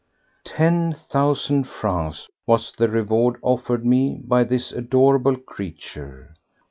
Ten thousand francs was the reward offered me by this adorable creature!